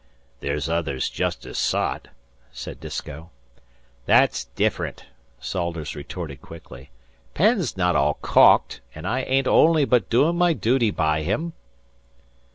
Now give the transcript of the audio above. "There's others jes as sot," said Disko. "That's difrunt," Salters retorted quickly. "Penn's not all caulked, an' I ain't only but doin' my duty by him."